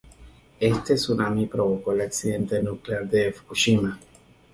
Éste tsunami provocó el accidente nuclear de Fukushima.